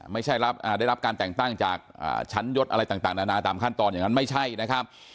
ไม่ได้ได้รับการแต่งตั้งจากชั้นยศอะไรต่างนานาตามขั้นตอนอย่างนั้นไม่ใช่นะครับ